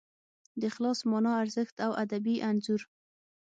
د اخلاص مانا، ارزښت او ادبي انځور